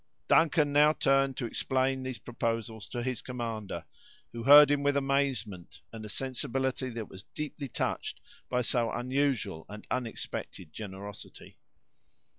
Duncan now turned to explain these proposals to his commander, who heard him with amazement, and a sensibility that was deeply touched by so unusual and unexpected generosity.